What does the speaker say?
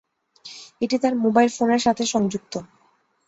এটি তার মোবাইল ফোনের সাথে সংযুক্ত।